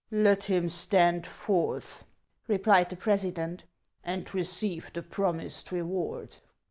" Let him stand forth," replied the president, " and receive the promised reward."